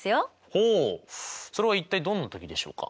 ほうそれは一体どんな時でしょうか？